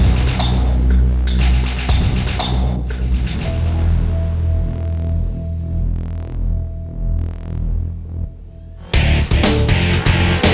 woi jadi cantik